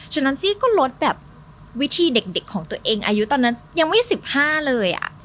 นั้นซี่ก็ลดแบบวิธีเด็กของตัวเองอายุตอนนั้นยังไม่๑๕เลย